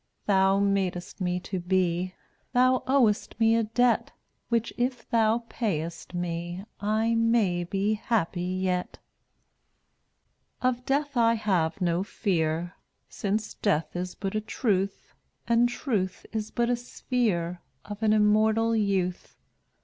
Thou madest me to be; Thou owest me a debt, Which if Thou pay est me I may be happy yet. 190 Of death I have no fear Since death is but a truth And truth is but a sphere Of an immortal youth.